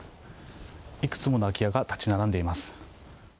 いくつもの空き家が建ち並んでいます。